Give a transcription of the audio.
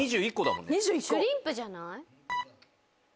シュリンプじゃない？